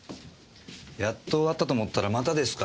やっと終わったと思ったらまたですか。